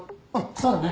そうだね